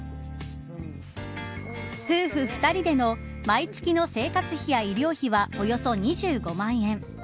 夫婦２人での毎月の生活費や医療費はおよそ２５万円。